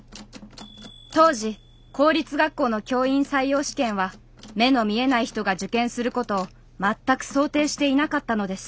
当時公立学校の教員採用試験は目の見えない人が受験することを全く想定していなかったのです。